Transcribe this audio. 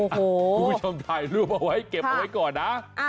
คุณผู้ชมถ่ายรูปเอาไว้เก็บเอาไว้ก่อนนะ